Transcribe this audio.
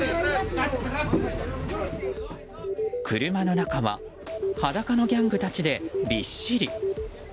車の中は裸のギャングたちでびっしり。